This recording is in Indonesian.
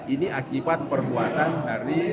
ini akibat perbuatan dari